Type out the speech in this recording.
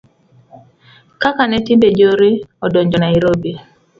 kaka ne timbe njore odonjo Nairobi